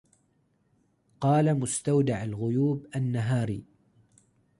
قال مستودع الغيوب النهاري